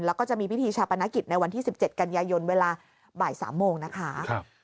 แล้วก็จะมีพิธีชาปนกิจในวันที่๑๗กันยายนเวลาบ่าย๓โมงนะคะ